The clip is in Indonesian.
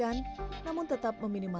akhirnya sampai juga